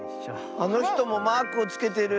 あのひともマークをつけてる。